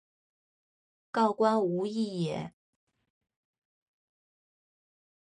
告官无益也。